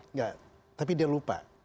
enggak tapi dia lupa